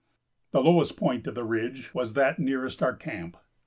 The lowest point of the ridge was that nearest our camp.